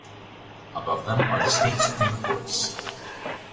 Above them are the State Supreme Courts.